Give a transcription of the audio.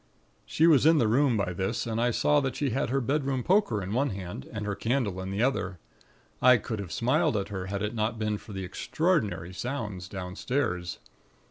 "She was in the room by this, and I saw she had her bedroom poker in one hand, and her candle in the other. I could have smiled at her, had it not been for the extraordinary sounds downstairs.